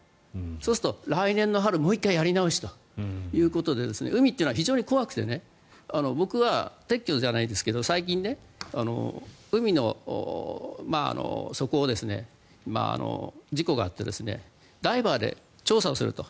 そうすると来年の春にもう１回やり直しということで海というのは非常に怖くて僕は撤去じゃないですけど最近、海の底を事故があってダイバーで調査をすると。